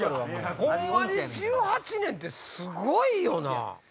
ホンマに１８年ってすごいよな！